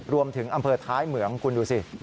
รวมถึงอำเภอท้ายเหมืองคุณดูสิ